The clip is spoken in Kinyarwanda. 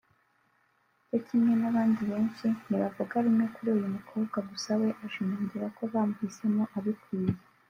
cyo kimwe n’abandi benshi ntibavuga rumwe kuri uyu mukobwa gusa we ashimangira ko bamuhisemo abikwiye